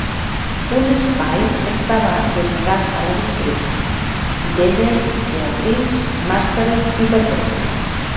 Un espai estava dedicat a la disfressa: titelles, teatrins, màscares i cartells.